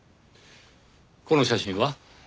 この写真は？